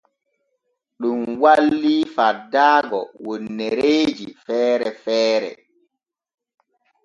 Ɗun walli faddaago wonnereeji feere feere.